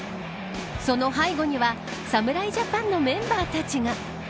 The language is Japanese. その背後には侍ジャパンのメンバーたちが。